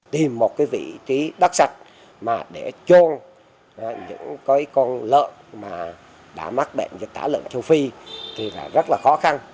tìm một vị trí đắc sạch để chôn những con lợn mà đã mắc bệnh dịch tả lợn châu phi thì rất là khó khăn